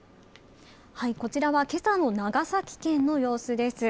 こちらは今朝の長崎県の様子です。